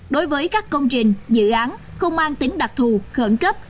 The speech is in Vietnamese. đối với các công trình dự án không mang tính đặc thù khẩn cấp